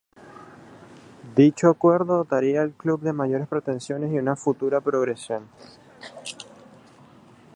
Dicho acuerdo dotaría al club de mayores pretensiones y una futura progresión.